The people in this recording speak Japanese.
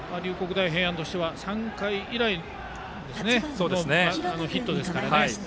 大平安としては３回以来のヒットですからね。